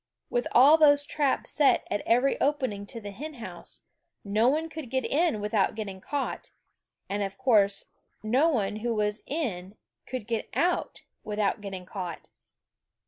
With all those traps set at every opening to the hen house, no one could get in without getting caught, and of course no one who was in could get out without getting caught!